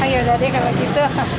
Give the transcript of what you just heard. ya udah deh kalau gitu